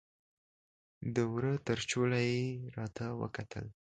د وره تر چوله یې راته وکتل